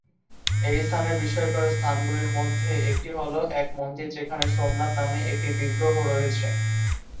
এই স্থানের বিস্ময়কর স্থানগুলির মধ্যে একটি হল এক মন্দির যেখানে সোমনাথ নামে একটি বিগ্রহ রয়েছে।